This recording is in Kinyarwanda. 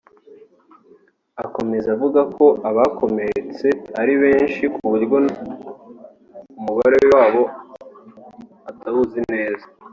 Akomeza avuga ko abakomeretse ari benshi kuburyo umubare wabo atawuzi neza